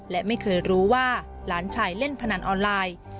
และไม่เคยรู้ว่าหลานชายเล่นพนันออนไลน์